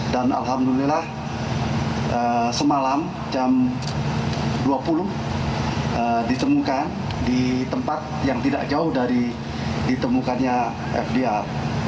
dan alhamdulillah semalam jam dua puluh ditemukan di tempat yang tidak jauh dari ditemukannya fdr